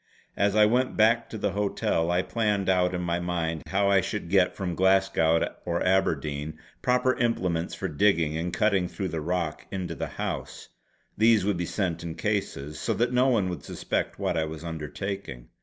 As I went back to the hotel, I planned out in my mind how I should get from Glasgow or Aberdeen proper implements for digging and cutting through the rock into the house; these would be sent in cases, so that no one would suspect what I was undertaking.